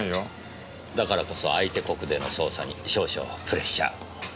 だからこそ相手国での捜査に少々プレッシャー。